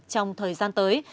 trong thời gian tới